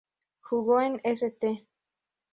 Jugó en St.